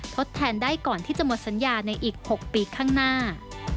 ทดแทนได้ก่อนที่จะหมดสัญญาในอีก๖ปีข้างหน้า